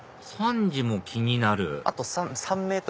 「３時」も気になるあと３ｍ